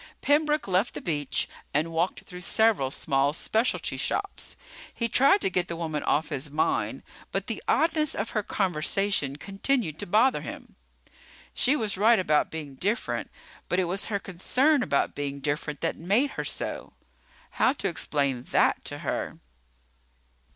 Pembroke left the beach and walked through several small specialty shops. He tried to get the woman off his mind, but the oddness of her conversation continued to bother him. She was right about being different, but it was her concern about being different that made her so. How to explain that to her?